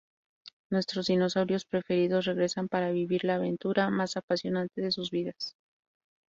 Nuestros dinosaurios preferidos regresan para vivir la aventura más apasionante de sus vidas.